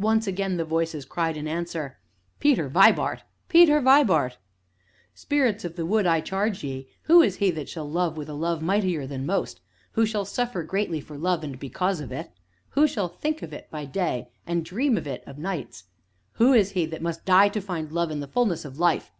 Once again the voices cried in answer: "Peter Vibart! Peter Vibart!" "Spirits of the Wood, I charge ye who is he that shall love with a love mightier than most who shall suffer greatly for love and because of it who shall think of it by day, and dream of it o' nights who is he that must die to find love and the fulness of life?